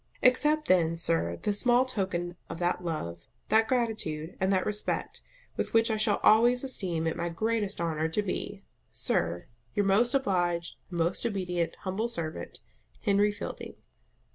Accept then, sir, this small token of that love, that gratitude, and that respect, with which I shall always esteem it my GREATEST HONOUR to be, Sir, Your most obliged, and most obedient humble servant, HENRY FIELDING.